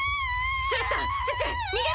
スレッタチュチュ逃げろ！